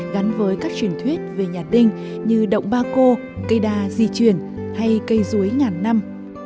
gắn với các truyền thuyết về nhà đinh như động ba cô cây đa di truyền hay cây dưới ngàn năm